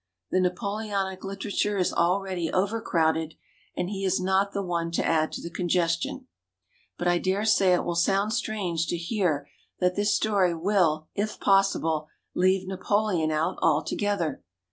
The Napoleonic literature is al 66 THE BOOKMAN ready overcrowded, and he is not the one to add to the congestion. But I dare say it will sound strange to hear that this story will if possible leave Napoleon out altogether.